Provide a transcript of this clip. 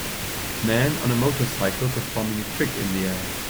Man on a motorcycle performing a trick in the air.